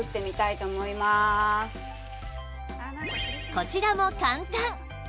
こちらも簡単！